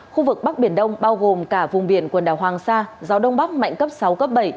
khu vực bắc biển đông bao gồm cả vùng biển quần đảo hoàng sa gió đông bắc mạnh cấp sáu cấp bảy